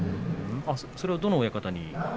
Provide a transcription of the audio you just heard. それはどの親方に？